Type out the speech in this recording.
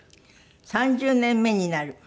３０年目になる。